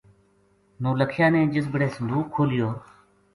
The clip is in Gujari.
نولکھیا نے جس بِڑے صندوق کھولیو